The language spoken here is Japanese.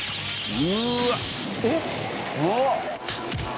「うわっ！」